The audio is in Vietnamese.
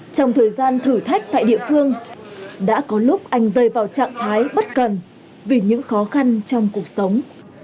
trong thời gian thử thách tại địa phương đã có lúc anh rơi vào trạng thái bất cần vì những khó khăn trong cuộc sống